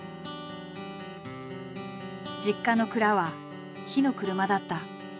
実家の蔵は火の車だった。